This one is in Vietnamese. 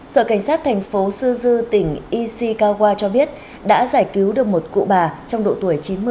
sở cảnh sát thành phố sư dư tỉnh ishikawa cho biết đã giải cứu được một cụ bà trong độ tuổi chín mươi